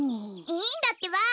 いいんだってば。